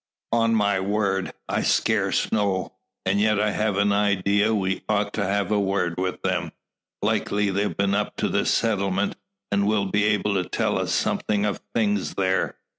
"On my word, I scarce know. And yet I have an idea we ought to have a word with them. Likely they've been up to the settlement and will be able to tell us something of things there.